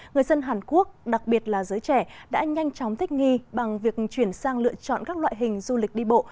người dân hàn quốc đặc biệt là giới trẻ đã nhanh chóng thích nghi bằng việc chuyển sang lựa chọn các loại hình du lịch đi bộ